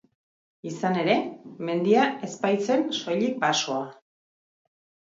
Izan ere, mendia ez baitzen soilik basoa.